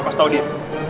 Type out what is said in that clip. bokas tau dia